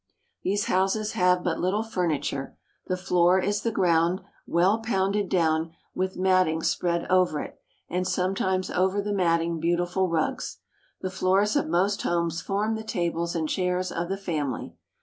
These houses have but little furniture. The floor is the ground, well pounded down, with matting spread over it, and sometimes over the matting beautiful rugs. The floors of most homes form the tables and chairs of the fam ily.